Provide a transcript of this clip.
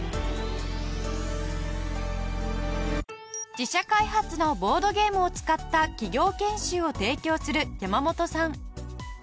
自社開発のボードゲームを使った企業研修を提供する山本さん。